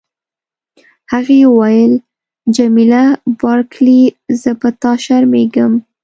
هغې وویل: جميله بارکلي، زه په تا شرمیږم.